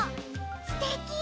すてき！